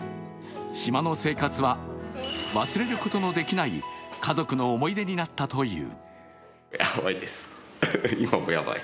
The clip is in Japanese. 島の生活は忘れることのできない家族の思い出になったという。